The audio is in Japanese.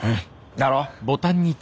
だろ？